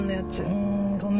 うんごめん。